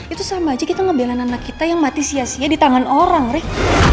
itu sama aja kita ngebelain anak kita yang mati sia sia di tangan orang ri